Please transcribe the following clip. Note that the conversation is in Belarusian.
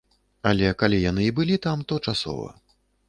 Але калі яны і былі там, то часова.